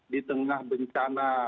di tengah bencana